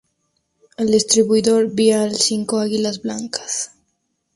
El distribuidor vial "Cinco Águilas Blancas".